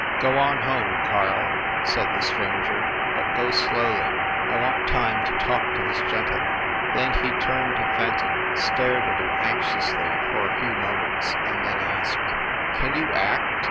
"Go on home, Karl," said the stranger, "but go slowly; I want time to talk to this gentleman." Then he turned to Fenton, stared at him anxiously for a few moments, and then asked, "Can you act